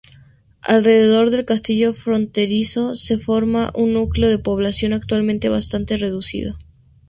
Alrededor del castillo fronterizo se formó un núcleo de población, actualmente bastante reducido.